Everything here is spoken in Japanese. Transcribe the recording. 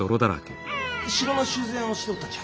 城の修繕をしておったんじゃ。